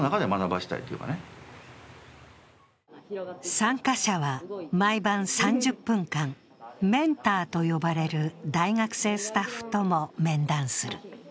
参加者は毎晩３０分間、メンターと呼ばれる大学生スタッフも面談する。